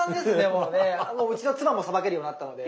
もううちの妻もさばけるようになったので。